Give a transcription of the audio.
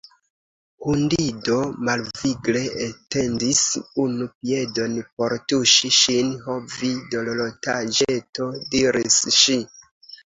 Hundido malvigle etendis unu piedon por tuŝi ŝin. "Ho, vi dorlotaĵeto," diris ŝi.